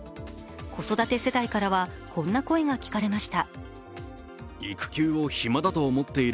子育て世帯からはこんな声が聞かれました。